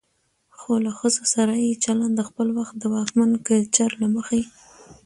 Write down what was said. خو له ښځو سره يې چلن د خپل وخت د واکمن کلچر له مخې